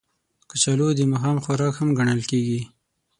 کچالو د ماښام خوراک هم ګڼل کېږي